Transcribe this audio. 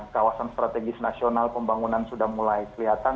kawasan strategis nasional pembangunan sudah mulai kelihatan